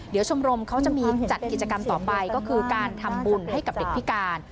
เดี๋ยวชมรมเขาจะมีจัดกิจกรรมต่อไปก็คือการทำบุญให้กับเด็กพิการ